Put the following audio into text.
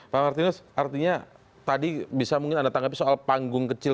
pak martinus artinya tadi bisa mungkin anda tanggapi soal panggung kecil